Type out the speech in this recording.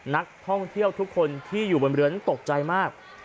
นักท่องเที่ยวทุกคนที่อยู่บนเรือนั้นตกใจมาก